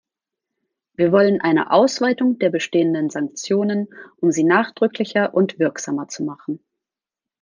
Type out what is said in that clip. Wir wollen eine Ausweitung der bestehenden Sanktionen, um sie nachdrücklicher und wirksamer zu machen.